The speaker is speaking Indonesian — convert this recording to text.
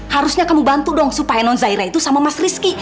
harusnya kamu bantu dong supaya non zaira itu sama mas rizky